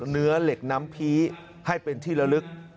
เนื้อเหล็กน้ำพีให้เป็นที่ละลึก